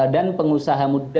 dan pengusaha muda